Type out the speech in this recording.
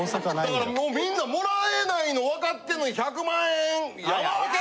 だからもうみんな貰えないの分かってんのに「１００万円山分け！」